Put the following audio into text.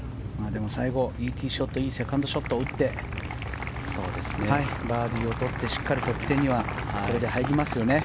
最後いいティーショットいいセカンドショットを打ってバーディーをとって、しっかりトップ１０には入ります。